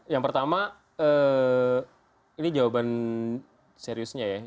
yang pertama ini jawaban seriusnya ya